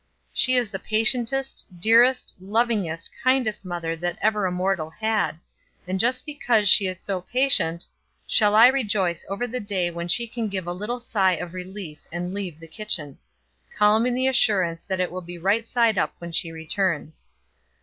She is the patientest, dearest, lovingest, kindest mother that ever a mortal had, and just because she is so patient shall I rejoice over the day when she can give a little sigh of relief and leave the kitchen, calm in the assurance that it will be right side up when she returns.